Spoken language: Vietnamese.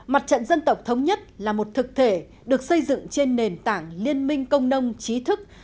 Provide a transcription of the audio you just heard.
mặt trận dân tộc thống nhất là một thực thể được xây dựng trên nền tảng liên minh công nông trí thức